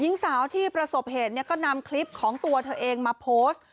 หญิงสาวที่ประสบเหตุเนี่ยก็นำคลิปของตัวเธอเองมาโพสต์